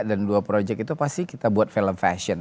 dan dua project itu pasti kita buat film fashion